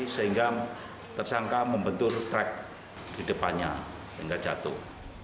sehingga tersangka membentur trek di depannya hingga jatuh